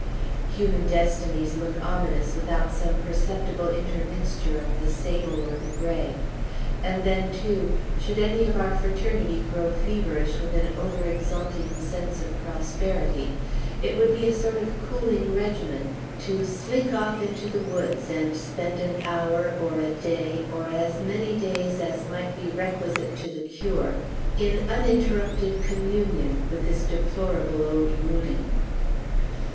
Human destinies look ominous without some perceptible intermixture of the sable or the gray. And then, too, should any of our fraternity grow feverish with an over exulting sense of prosperity, it would be a sort of cooling regimen to slink off into the woods, and spend an hour, or a day, or as many days as might be requisite to the cure, in uninterrupted communion with this deplorable old Moodie!